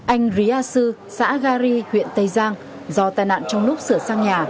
anh ria su xã gari huyện tây giang do tai nạn trong lúc sửa sang nhà